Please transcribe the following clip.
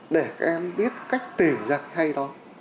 để các em biết cách tìm ra hay đó